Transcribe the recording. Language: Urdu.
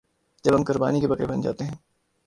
جب ہم قربانی کے بکرے بن جاتے ہیں۔